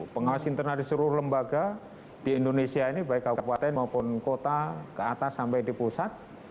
pengawas internal di seluruh lembaga di indonesia ini baik kabupaten maupun kota ke atas sampai di pusat